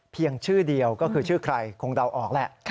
เพียงชื่อเดียวก็คือชื่อใครคงเดาออกแหละ